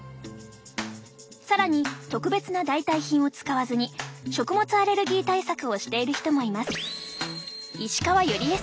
更に特別な代替品を使わずに食物アレルギー対策をしている人もいます。